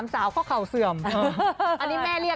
มันแหลกความฝันพี่เลย